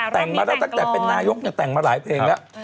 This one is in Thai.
แต่งมาแล้วตั้งแต่เป็นนายกแต่งมาหลายเพลงแล้ว